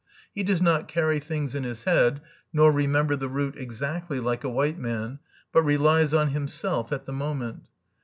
He does not carry things in his head, nor remember the route exactly, like a white man, but relies on himself at the moment.